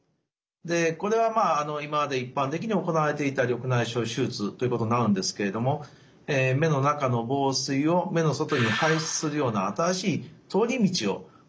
でこれは今まで一般的に行われていた緑内障手術ということになるんですけれども目の中の房水を目の外に排出するような新しい通り道を作る